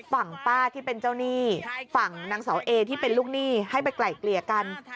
ฝั่งป้าที่เป็นเจ้าหนี้ฝั่งนางเสาเอที่เป็นลูกหนี้ให้ไปไกล่เกลี่ยกัน